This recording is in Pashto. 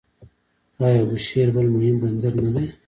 آیا بوشهر بل مهم بندر نه دی؟